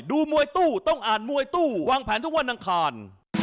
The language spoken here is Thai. ดูมวยตู้ต้องอ่านมวยตู้วางแผนทุกวันอังคาร